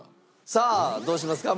さあどうしますか？